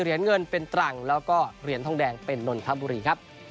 เหรียญเงินเป็นตรังแล้วก็เหรียญทองแดงเป็นนนทบุรีครับ